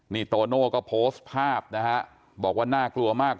นี่โตโน่ก็โพสต์ภาพนะฮะบอกว่าน่ากลัวมาก